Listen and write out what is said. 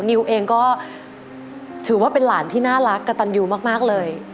นิวเองก็ถือว่าเป็นหลานที่น่ารักกระตันยูมากเลย